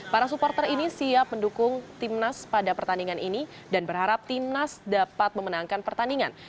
para supporter ini siap mendukung tim nas pada pertandingan ini dan berharap tim nas dapat memenangkan pertandingan